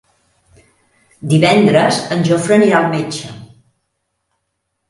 Divendres en Jofre anirà al metge.